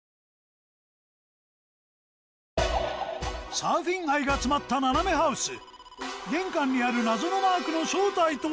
サーフィン愛が詰まった斜めハウス玄関にある謎のマークの正体とは！？